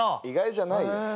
意外じゃないよ。